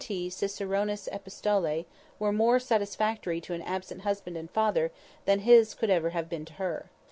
T. Ciceronis Epistolæ_) were more satisfactory to an absent husband and father than his could ever have been to her.